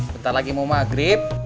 bentar lagi mau maghrib